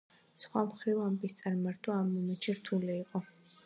სხვა მხრივ ამბის წარმართვა ამ მომენტში რთული იყო.